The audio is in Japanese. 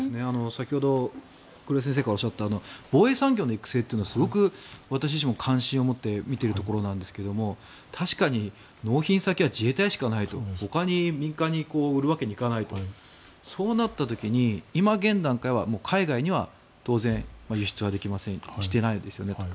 先ほど黒江先生がおっしゃった防衛産業の育成はすごく私自身も関心を持って見ているところなんですが確かに納品先は自衛隊しかないとほかに民間に売るわけにはいかないと。そうなった時に今現段階は海外には当然輸出はできませんしていないですよね。